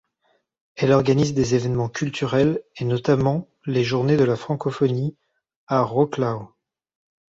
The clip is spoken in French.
Elle organise des événements culturels et notamment les Journées de la Francophonie à Wrocław.